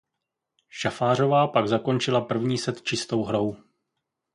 Šafářová pak zakončila první set čistou hrou.